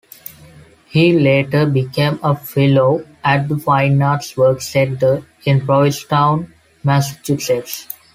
He later became a Fellow at the Fine Arts Work Center in Provincetown, Massachusetts.